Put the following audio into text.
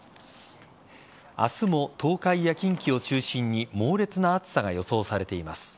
明日も東海や近畿を中心に猛烈な暑さが予想されています。